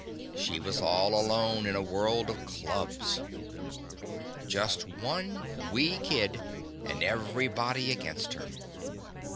•She was all alone in a world of clubs. Just one wee kid and everybody against her.